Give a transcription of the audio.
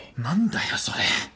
何だよそれ。